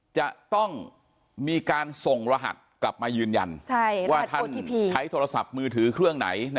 จะต้องมีการส่งรหัสกลับมายืนยัน